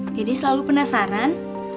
jadi selalu penasaran